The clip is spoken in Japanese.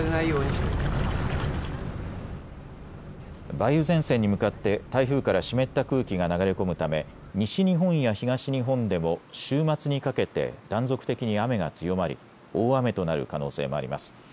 梅雨前線に向かって台風から湿った空気が流れ込むため西日本や東日本でも週末にかけて断続的に雨が強まり大雨となる可能性もあります。